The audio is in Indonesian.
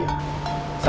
pernah memperhatikan kalian